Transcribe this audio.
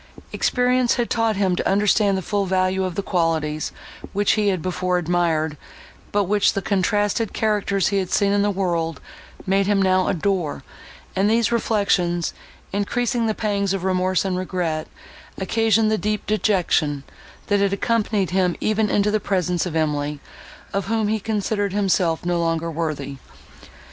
Experience had taught him to understand the full value of the qualities, which he had before admired, but which the contrasted characters he had seen in the world made him now adore; and these reflections, increasing the pangs of remorse and regret, occasioned the deep dejection, that had accompanied him even into the presence of Emily, of whom he considered himself no longer worthy.